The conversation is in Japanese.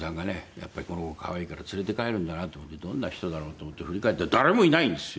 やっぱりこの子可愛いから連れて帰るんだなと思ってどんな人だろう？と思って振り返ったら誰もいないんですよ。